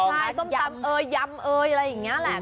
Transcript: ใช่สมตำเอยัมเยอะอะไรอย่างเงี้ยแหละ